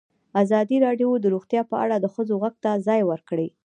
ازادي راډیو د روغتیا په اړه د ښځو غږ ته ځای ورکړی.